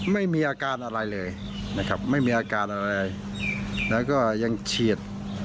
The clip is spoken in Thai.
ไม่มีอาการอะไรเลยนะครับไม่มีอาการอะไรแล้วก็ยังเฉียด